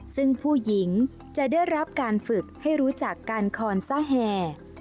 ซึ่งผู้หญิงจะได้รับการฝึกให้รู้จักการคอนซะแห่